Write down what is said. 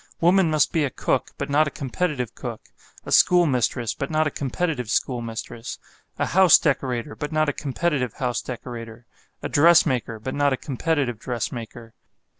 Woman must be a cook, but not a competitive cook; a school mistress, but not a competitive schoolmistress; a house decorator but not a competitive house decorator; a dressmaker, but not a competitive dressmaker.